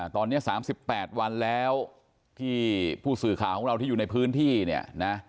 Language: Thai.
ตอนนี้๓๘วันแล้วที่ผู้สื่อข่าวของเราที่อยู่ในพื้นที่เนี่ยนะ